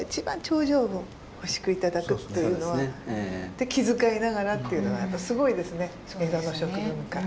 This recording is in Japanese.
で気遣いながらっていうのはやっぱすごいですね江戸の食文化。